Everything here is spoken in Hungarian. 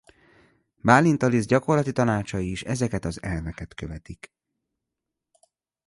Bálint Alice gyakorlati tanácsai is ezeket az elveket követik.